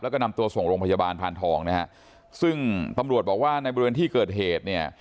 แล้วก็นำตัวส่งโรงพยาบาลพานทองนะฮะซึ่งตำรวจบอกว่าในบริเวณที่เกิดเหตุเนี่ย